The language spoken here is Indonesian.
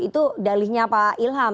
itu dalihnya pak ilham